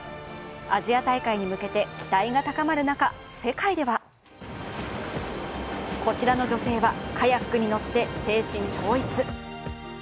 アジア大会に向けて期待が高まる中、世界ではこちらの女性は、カヤックに乗って精神統一。